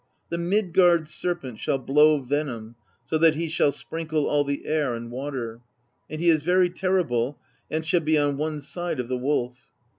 The Midgard Serpent shall blow venom so that he shall sprinkle all the air and water; and he is very terri ble, and shall be on one side of the Wolf.